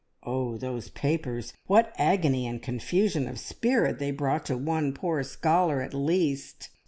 Oh, those papers, what agony and confusion of spirit they brought to one poor scholar at least!